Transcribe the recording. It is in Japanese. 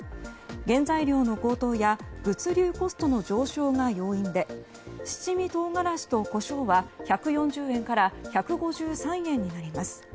原材料の高騰や物流コストの上昇が要因で七味唐がらしとコショーは１４０円から１５３円になります。